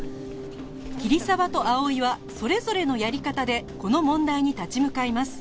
桐沢と葵はそれぞれのやり方でこの問題に立ち向かいます